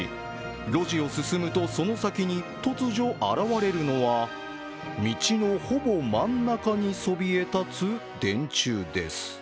路地を進むとその先に突如現れるのは道のほぼ真ん中にそびえ立つ電柱です。